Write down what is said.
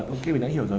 ok mình đã hiểu rồi